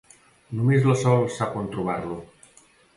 Només la Sol sap on trobar-lo.